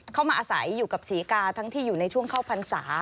มาอาศัยอยู่กับศรีกาทั้งที่อยู่ในช่วงเข้าพรรษา